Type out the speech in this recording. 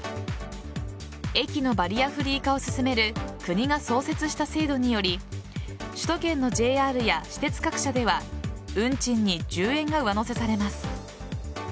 駅のバリアフリー化を進める国が創設した制度により首都圏のＪＲや私鉄各社では運賃に１０円が上乗せされます。